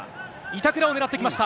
板倉を狙ってきました。